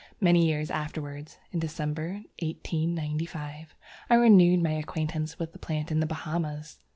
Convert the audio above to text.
Many years afterwards (in December, 1895), I renewed my acquaintance with the plant in the Bahamas.